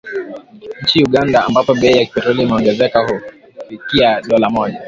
Nchini Uganda, ambapo bei ya petroli imeongezeka kufikia dola moja